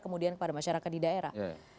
kemudian kepada masyarakat di daerah